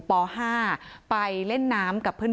ป๕ไปเล่นน้ำกับเพื่อน